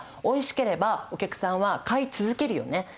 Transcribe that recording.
おいしければお客さんは買い続けるよね。